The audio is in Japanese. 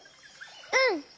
うん！